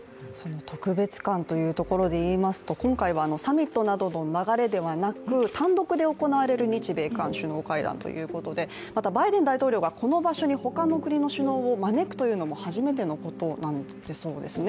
特別感というところでいいますと、今回はサミットなどの流れではなく単独で行われる日米韓首脳会談ということでまたバイデン大統領がこの場所に他の国の首脳を招くというのも初めてのことなんだそうですね。